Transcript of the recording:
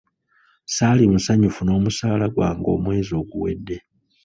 Saali musanyufu n'omusaala gwange omwezi oguwedde.